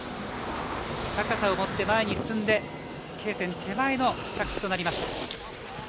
高さを持って前に進んでＫ点手前の着地となりました。